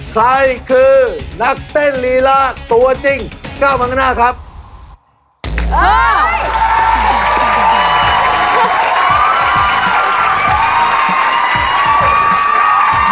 เดินมาเดี๋ยวก็ตกเวทีหรอกครับผม